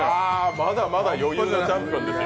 まだまだ余裕のチャンピオンですよ。